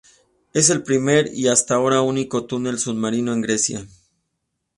Es el primer y hasta ahora único túnel submarino en Grecia.